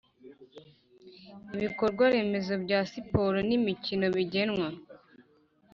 Ibikorwaremezo bya siporo n imikino bigenwa